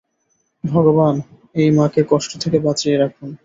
ভগবান, এই মাকে কষ্ট থেকে বাঁচিয়ে রাখুন।